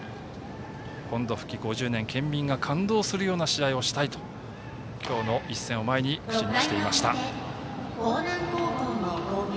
本土復帰５０年県民が感動するような一戦がしたいと今日の試合を前に口にしていました。